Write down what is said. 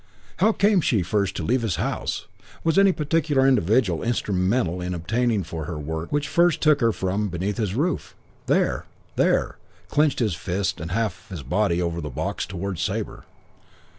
"How came she first to leave his house? Was any particular individual instrumental in obtaining for her work which first took her from beneath his roof? 'There! There!' Clenched fist and half his body over the box towards Sabre.